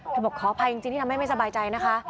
บอกขออภัยจริงที่ทำให้ไม่สบายใจนะคะ